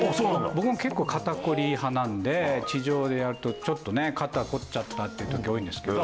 僕も結構、肩凝り派なんで、地上でやると、ちょっと肩凝っちゃったっていうとき、多いんですけど。